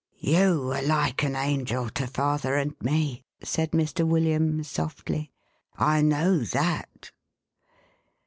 "You are like an angel to father and me," said Mr. William, softly. " I know that."